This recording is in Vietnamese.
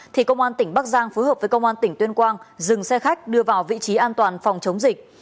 thì công an tỉnh bắc giang phối hợp với công an tỉnh tuyên quang dừng xe khách đưa vào vị trí an toàn phòng chống dịch